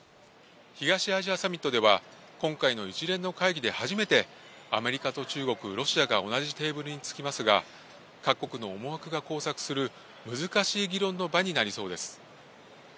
東アジアサミットでは、今回の一連の会議で初めてアメリカと中国、ロシアが同じテーブルにつきますが、各国の思惑が交錯する、難しい議論の場になりそうです。